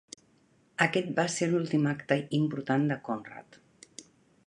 Aquest va ser l'últim acte important de Konrad.